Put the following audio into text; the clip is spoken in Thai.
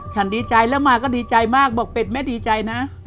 ดีใจแล้วมาก็ดีใจมากบอกเป็ดแม่ดีใจนะ